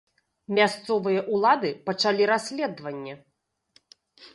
Мясцовыя ўлады пачалі расследаванне.